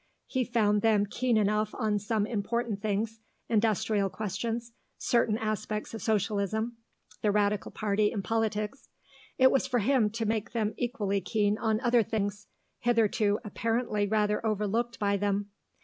He had found them keen enough on some important things industrial questions, certain aspects of Socialism, the Radical Party in politics; it was for him to make them equally keen on other things, hitherto apparently rather overlooked by them.